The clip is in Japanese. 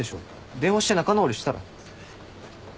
電話して仲直りしたら？